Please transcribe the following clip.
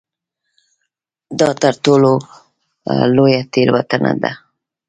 دا تر ټولو لویه تېروتنه ده.